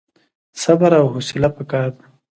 صبر او حوصله پکار ده